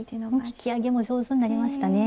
引き上げも上手になりましたね。